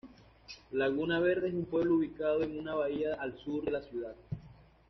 Laguna Verde es un pueblo ubicado en una bahía al sur de la ciudad.